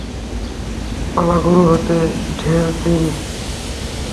পালা শুরু হতে ঢের দেরি।